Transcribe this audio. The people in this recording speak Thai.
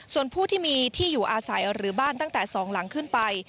ส่วนผู้ที่มีที่อยู่อาศัยหรือบ้านตั้งแต่๒หลังขึ้นไป